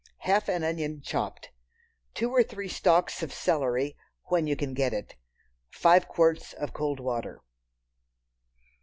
Half an onion chopped. Two or three stalks of celery, when you can get it. Five quarts of cold water.